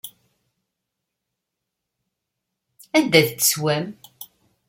Anda ay ten-teswam?